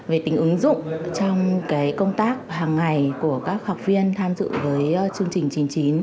về tính ứng dụng trong công tác hàng ngày của các học viên tham dự với chương trình chín mươi chín